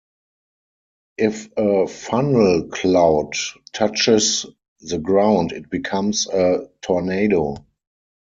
If a funnel cloud touches the ground it becomes a tornado.